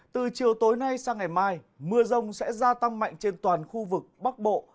từ chiều tối nay sang ngày mai mưa rông sẽ gia tăng mạnh trên toàn khu vực bắc bộ